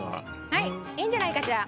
はいいいんじゃないかしら。